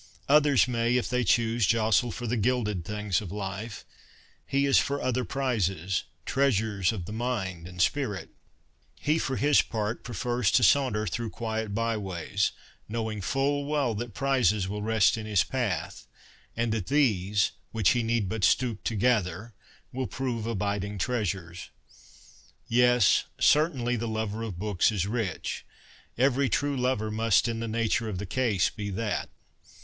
Others may, if they choose, jostle for the gilded things of life. He is for other prizes, treasures of the mind and spirit. He, for his part, prefers to saunter through quiet by ways, knowing full well that prizes will rest in his path, and that these, which he need but stoop to gather, will prove abiding treasures. ( HUMBLY TO CONFESS ' 21 Yes, certainly the lover of books is rich. Every true lover must in the nature of the case be that.